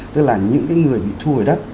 tức là những người bị thu hồi đất